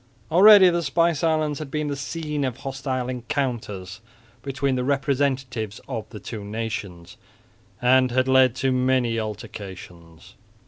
Already the spice islands had been the scene of hostile encounters between the representatives of the two nations, and had led to many altercations.